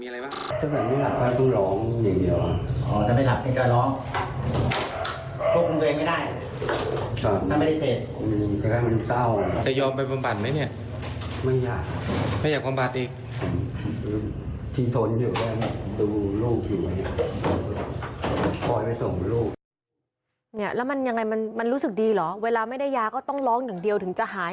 แล้วมันยังไงมันรู้สึกดีเหรอเวลาไม่ได้ยาก็ต้องร้องอย่างเดียวถึงจะหาย